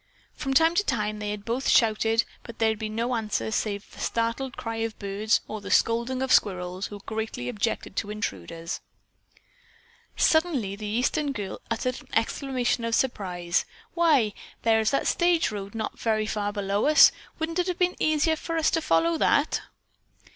From time to time they had both shouted, but there had been no answer save the startled cry of birds, or the scolding of squirrels, who greatly objected to intruders. Suddenly the Eastern girl uttered an exclamation of surprise. "Why, there is the stage road not very far below us. Wouldn't it have been easier for us to follow that?"